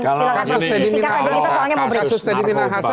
kasus teddy minahasa